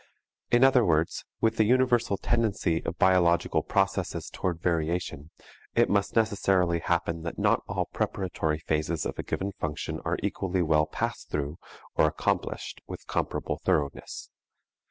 In other words, with the universal tendency of biological processes toward variation, it must necessarily happen that not all preparatory phases of a given function are equally well passed through or accomplished with comparable thoroughness.